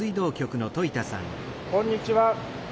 こんにちは。